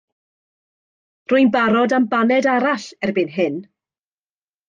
Rwy'n barod am baned arall erbyn hyn.